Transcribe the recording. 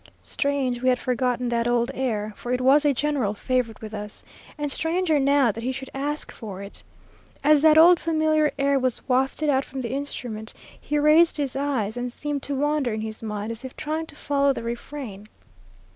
Strange we had forgotten that old air, for it was a general favorite with us, and stranger now that he should ask for it. As that old familiar air was wafted out from the instrument, he raised his eyes, and seemed to wander in his mind as if trying to follow the refrain.